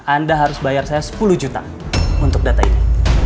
anda harus bayar saya sepuluh juta untuk data ini